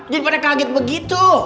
gimana kaget begitu